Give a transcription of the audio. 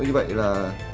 như vậy là